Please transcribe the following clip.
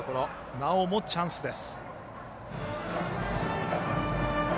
なおもチャンスです。